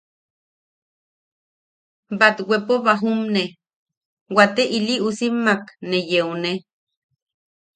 Batwepo bajumne, waate iliusimmak ne yeone.